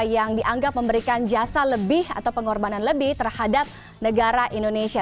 yang dianggap memberikan jasa lebih atau pengorbanan lebih terhadap negara indonesia